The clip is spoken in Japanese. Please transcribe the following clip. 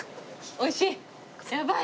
おいしい？